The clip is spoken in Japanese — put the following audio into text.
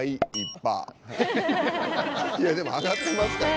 いやでも上がってますから。